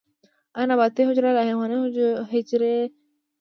ایا نباتي حجره له حیواني حجرې توپیر لري؟